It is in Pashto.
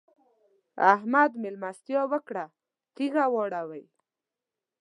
احمد؛ مېلمستيا وکړه - تيږه واړوئ.